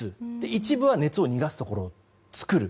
一部は熱を逃がすところを作る。